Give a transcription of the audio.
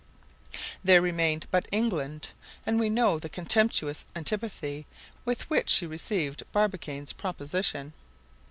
There remained but England; and we know the contemptuous antipathy with which she received Barbicane's proposition.